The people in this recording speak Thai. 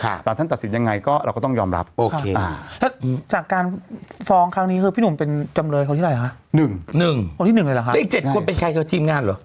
แขกรับเชิญที่มาร่วมรายการ